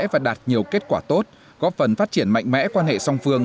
và đạt nhiều kết quả tốt góp phần phát triển mạnh mẽ quan hệ song phương